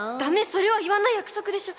それは言わない約束でしょ。